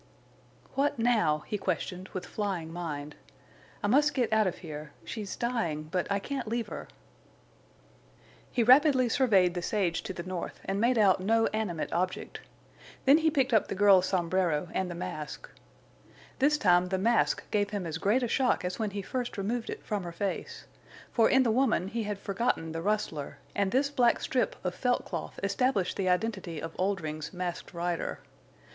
"What—now?" he questioned, with flying mind. "I must get out of here. She's dying—but I can't leave her." He rapidly surveyed the sage to the north and made out no animate object. Then he picked up the girl's sombrero and the mask. This time the mask gave him as great a shock as when he first removed it from her face. For in the woman he had forgotten the rustler, and this black strip of felt cloth established the identity of Oldring's Masked Rider.